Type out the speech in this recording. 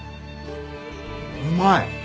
うまい！